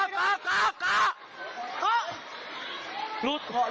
คำตอบอ้างชมงาน